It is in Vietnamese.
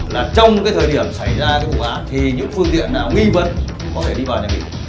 là trong cái thời điểm xảy ra cái vụ án thì những phương tiện nào nghi vấn có thể đi vào đầy đủ